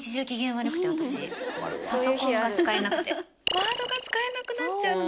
Ｗｏｒｄが使えなくなっちゃって。